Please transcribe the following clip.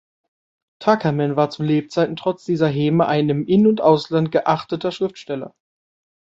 Tuckerman war zu Lebzeiten trotz dieser Häme ein im In- und Ausland geachteter Schriftsteller.